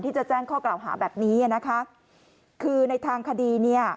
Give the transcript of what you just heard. ที่จะแจ้งข้อกล่าวหาแบบนี้คือในทางคดี